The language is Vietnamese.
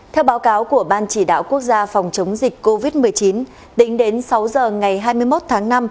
theo báo cáo của ban chỉ đạo quốc gia phòng chống dịch covid một mươi chín tính đến sáu giờ ngày hai mươi một tháng năm